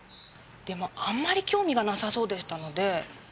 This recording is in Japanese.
でもあんまり興味がなさそうでしたので。